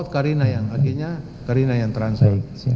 karina yang akhirnya karina yang transfer